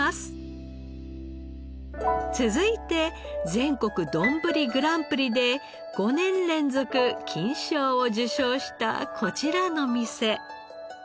続いて全国丼グランプリで５年連続金賞を受賞したこちらの店。